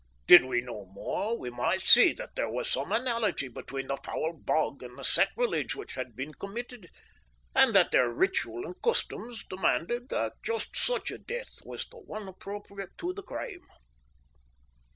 Did we know more we might see that there was some analogy between that foul bog and the sacrilege which had been committed, and that their ritual and customs demanded that just such a death was the one appropriate to the crime.